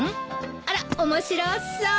あら面白そう。